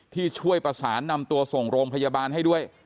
ที่ช่วยประสานนำตัวส่งโรงพยาบาลให้ด้วย